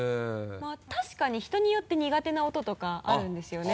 確かに人によって苦手な音とかあるんですよね。